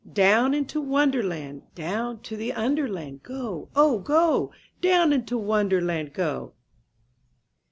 Down into wonderland — Down to the under land — Go, oh go! Down into wonderland, go